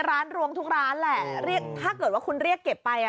ร้านรวมทุกร้านแหละถ้าเกิดว่าคุณเรียกเก็บไป